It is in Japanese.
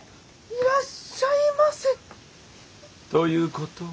「いらっしゃいませ」。ということは。